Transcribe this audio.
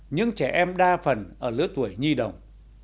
những trẻ em đa phần ở lứa tuổi nhi đồng